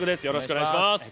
よろしくお願いします。